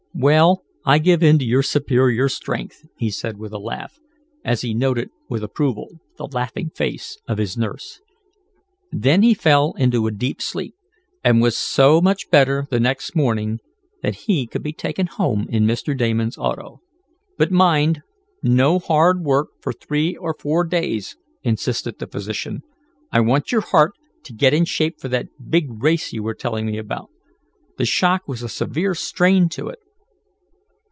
"Well, I give in to superior strength," he said with a laugh, as he noted, with approval, the laughing face of his nurse. Then he fell into a deep sleep, and was so much better the next morning that he could be taken home in Mr. Damon's auto. "But mind, no hard work for three or four days," insisted the physician. "I want your heart to get in shape for that big race you were telling me about. The shock was a severe strain to it."